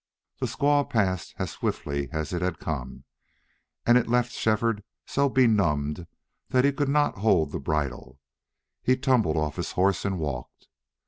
The squall passed as swiftly as it had come, and it left Shefford so benumbed he could not hold the bridle. He tumbled off his horse and walked.